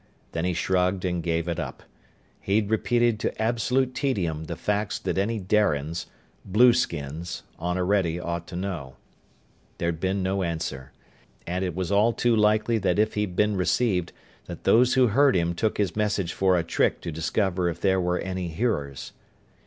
Then he shrugged and gave it up. He'd repeated to absolute tedium the facts that any Darians blueskins on Orede ought to know. There'd been no answer. And it was all too likely that if he'd been received, that those who heard him took his message for a trick to discover if there were any hearers.